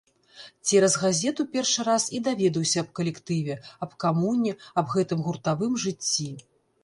Цераз газету першы раз і даведаўся аб калектыве, аб камуне, аб гэтым гуртавым жыцці.